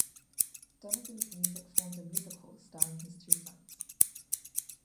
Donegan's music formed a musical starring his two sons.